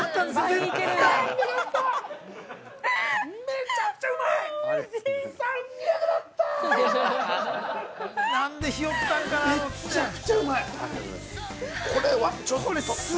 めっちゃくちゃうまい！